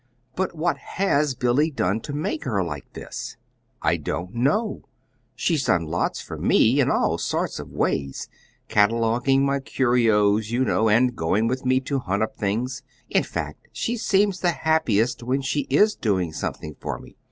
"But what HAS Billy done to make her like this?" "I don't know. She's done lots for me, in all sorts of ways cataloguing my curios, you know, and going with me to hunt up things. In fact, she seems the happiest when she IS doing something for me.